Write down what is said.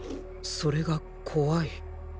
それが怖い。